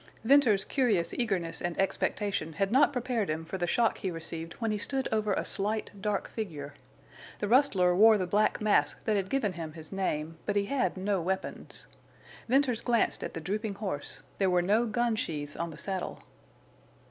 Venters's curious eagerness and expectation had not prepared him for the shock he received when he stood over a slight, dark figure. The rustler wore the black mask that had given him his name, but he had no weapons. Venters glanced at the drooping horse, there were no gun sheaths on the saddle.